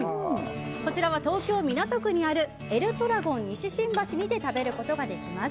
こちらは東京・港区にあるエルトラゴン西新橋で食べることができます。